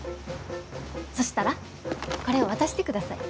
そしたらこれを渡してください。